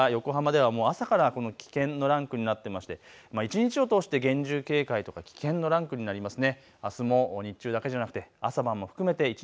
水戸や横浜ではもう朝からこの危険のランクになっていまして一日を通して厳重警戒とか危険のランクになりますね。